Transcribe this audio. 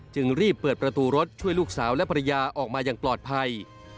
จึงรีบเปิดประตูรถช่วยลูกสาวและภรรยาออกมาอย่างปลอดภัย